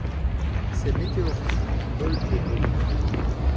Ses météores fous qui volent éblouis